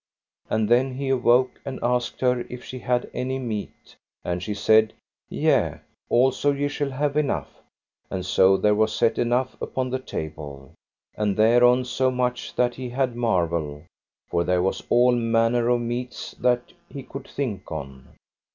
And then he awoke and asked her if she had any meat, and she said: Yea, also ye shall have enough. And so there was set enough upon the table, and thereon so much that he had marvel, for there was all manner of meats that he could think on.